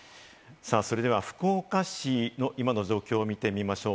福岡市の今の状況を見てみましょう。